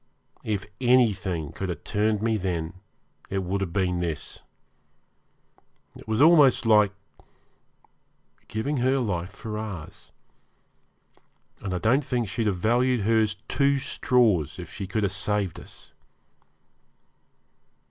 If anything could have turned me then it would have been this. It was almost like giving her life for ours, and I don't think she'd have valued hers two straws if she could have saved us.